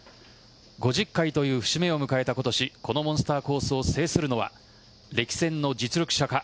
５０回という節目を迎えた今年このモンスターコースを制するのは歴戦の実力者か